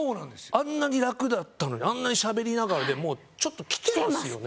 あんなに楽だったのにあんなにしゃべりながらでもちょっときてますよね？